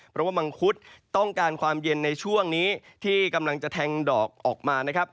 เพราะว่ามังคุดต้องการความเย็นในช่วงนี้ที่กำลังจะแทงดอกออกมานะครับ